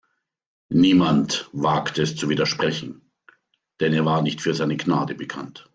Niemand wagte es zu widersprechen, denn er war nicht für seine Gnade bekannt.